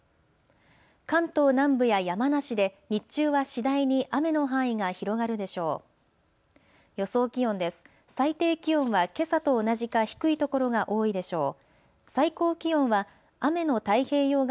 関東南部や山梨で、日中は次第に雨の範囲が広がるでしょう。